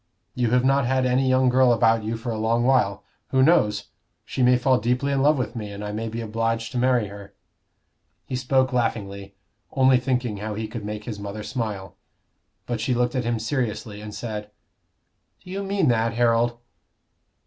You have not had any young girl about you for a long while. Who knows? she may fall deeply in love with me, and I may be obliged to marry her." He spoke laughingly, only thinking how he could make his mother smile. But she looked at him seriously and said, "Do you mean that, Harold?"